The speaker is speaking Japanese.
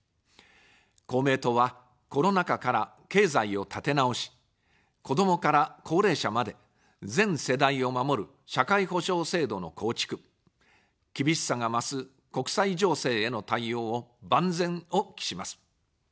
公明党は、コロナ禍から、経済を立て直し、子どもから高齢者まで、全世代を守る社会保障制度の構築、厳しさが増す国際情勢への対応を、万全を期します。